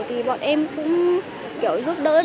thì bọn em cũng giúp đỡ